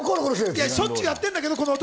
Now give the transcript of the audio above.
しょっちゅうやってるんだけど、この男。